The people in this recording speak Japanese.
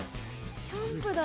キャンプだ。